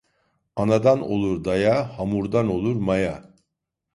Anadan olur daya, hamurdan olur maya.